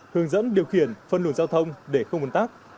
hướng dẫn điều khiển phân luận giao thông để không buồn tắc